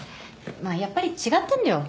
まあやっぱり違ったんだよ